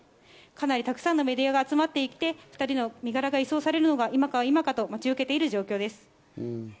かなり沢山のメディアが集まっていて、２人の身柄が移送されるのを今か今かと待ち受けています。